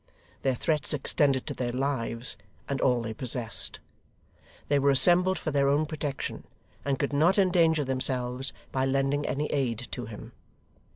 Their threats extended to their lives and all they possessed. They were assembled for their own protection, and could not endanger themselves by lending any aid to him.